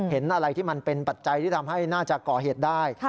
เห็นอะไรที่มันเป็นปัจจัยที่ทำให้น่าจะก่อเหตุได้